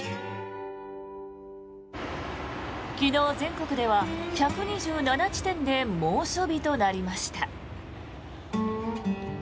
昨日、全国では１２７地点で猛暑日となりました。